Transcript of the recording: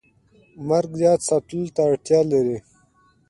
مرګ یاد ساتلو ته اړتیا لري